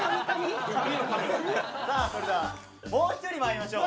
さあそれではもう一人まいりましょう。